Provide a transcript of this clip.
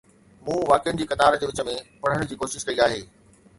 مون واقعن جي قطارن جي وچ ۾ پڙهڻ جي ڪوشش ڪئي آهي.